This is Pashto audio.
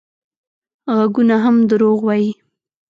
غږونه هم دروغ وايي